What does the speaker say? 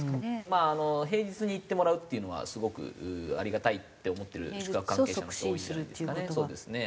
まあ平日に行ってもらうっていうのはすごくありがたいって思ってる宿泊関係者の人多いんじゃないですかね。